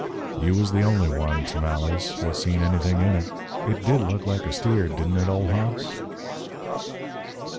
"You was the only one, Tamales, what seen anything in it. It did look like a steer, didn't it, old hoss?"